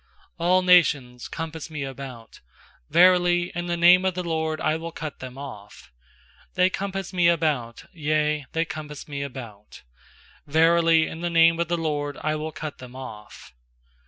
10A11 nations compass me about, Verily, in the name of the LORD I will cut them off. uThey compass me about, yea, they compass me about; Verily, in the name of the LORD I will cut them off.